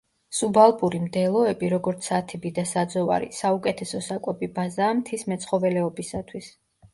სუბალპური მდელოები, როგორც სათიბი და საძოვარი, საუკეთესო საკვები ბაზაა მთის მეცხოველეობისათვის.